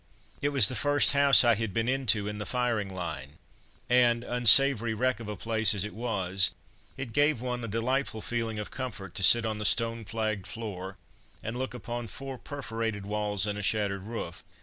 It was the first house I had been into in the firing line, and, unsavoury wreck of a place as it was, it gave one a delightful feeling of comfort to sit on the stone flagged floor and look upon four perforated walls and a shattered roof.